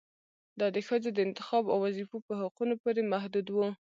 دا د ښځو د انتخاب او وظيفو په حقونو پورې محدود و